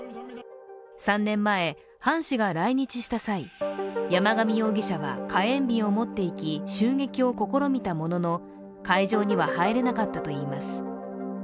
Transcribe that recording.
３年前、ハン氏が来日した際山上容疑者は火炎瓶を持っていき襲撃を試みたものの会場には入れなかったといいます。